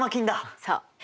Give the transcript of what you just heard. そう。